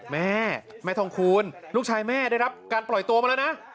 แม่แม่ทองคูณลูกชายแม่ได้รับการปล่อยตัวมาแล้วนะ